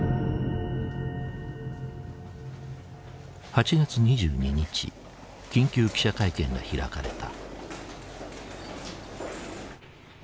８月２２日緊急記者会見が開かれた。